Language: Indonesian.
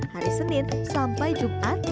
hari senin sampai jumat